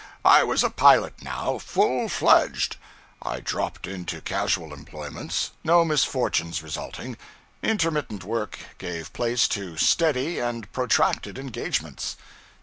I was a pilot now, full fledged. I dropped into casual employments; no misfortunes resulting, intermittent work gave place to steady and protracted engagements.